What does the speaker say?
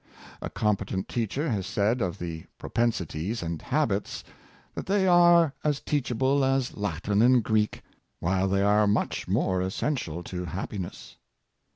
A competent teacher has said of the propensities and habits, that they are as teachable as Latin and Greek, while they are much more essential to happiness.